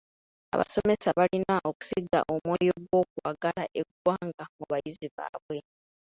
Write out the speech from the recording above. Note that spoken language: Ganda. Abasomesa balina okusiga omwoyo gw'okwagala eggwanga mu bayizi baabwe.